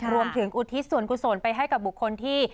รวมถึงอุทิศสวนส่วนไปให้กับบุคคลที่